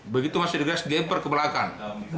begitu masuk di gelas diemper ke belakang